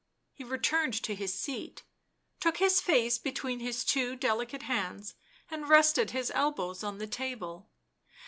He returned to his seat, took his face between his two delicate hands, and rested his elbows on the table.